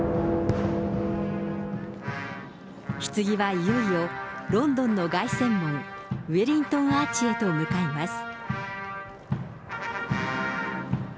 ひつぎは、いよいよロンドンの凱旋門、ウェリントン・アーチへと向かいます。